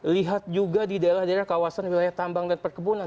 lihat juga di daerah daerah kawasan wilayah tambang dan perkebunan